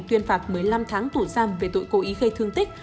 tuyên phạt một mươi năm tháng tù giam về tội cố ý gây thương tích